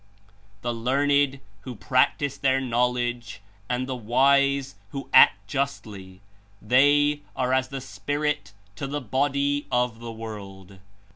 "The learned who practice (their knowledge) and the wise who act justly, they are as the spirit to the body of the world.